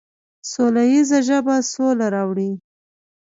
سوله ییزه ژبه سوله راوړي.